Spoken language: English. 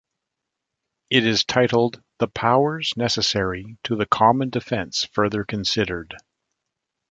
It is titled, The Powers Necessary to the Common Defense Further Considered.